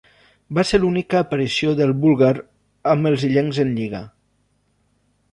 Va ser l'única aparició del búlgar amb els illencs en Lliga.